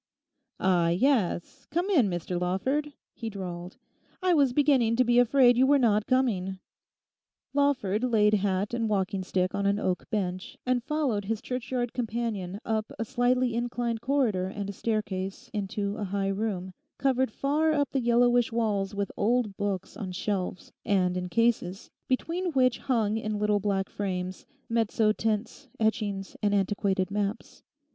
'Ah, yes, come in, Mr Lawford,' he drawled; 'I was beginning to be afraid you were not coming.' Lawford laid hat and walking stick on an oak bench, and followed his churchyard companion up a slightly inclined corridor and a staircase into a high room, covered far up the yellowish walls with old books on shelves and in cases, between which hung in little black frames, mezzo tints, etchings, and antiquated maps.